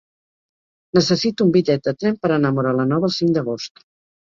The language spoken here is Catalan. Necessito un bitllet de tren per anar a Móra la Nova el cinc d'agost.